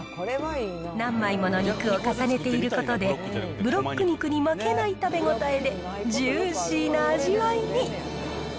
何枚もの肉を重ねていることで、ブロック肉に負けない食べ応えで、ジューシーな味わいに。